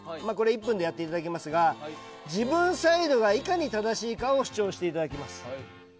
１分でやっていただきますが自分サイドがいかに正しいかを主張していただきます。